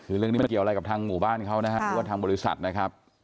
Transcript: คือเรื่องนี้มันเกี่ยวอะไรกับทางหมู่บ้านเขานะฮะหรือว่าทางบริษัทนะครับ